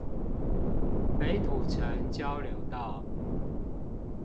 北土城交流道